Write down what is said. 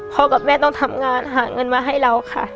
กับแม่ต้องทำงานหาเงินมาให้เราค่ะ